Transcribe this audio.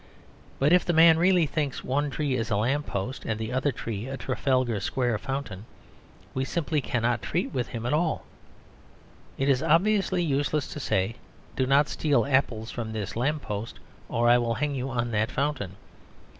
But if the man really thinks one tree is a lamp post and the other tree a Trafalgar Square fountain, we simply cannot treat with him at all. It is obviously useless to say, "Do not steal apples from this lamp post, or I will hang you on that fountain."